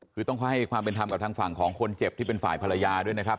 คือต้องให้ความเป็นธรรมกับทางฝั่งของคนเจ็บที่เป็นฝ่ายภรรยาด้วยนะครับ